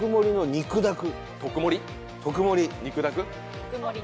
肉だく？